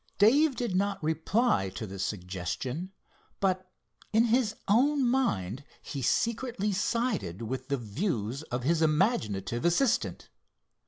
Dave did not reply to the suggestion, but in his own mind he secretly sided with the views of his imaginative assistant.